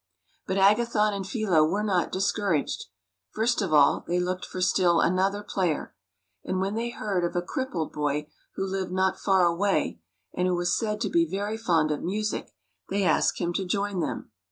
But Agathon and Philo were not discouraged. First of all they looked for still another player; and when they heard of a crippled boy who lived not far away, and who was said to be very fond of music, they asked him to join them.